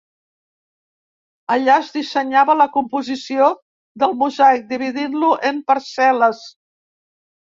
Allà es dissenyava la composició del mosaic, dividint-lo en parcel·les.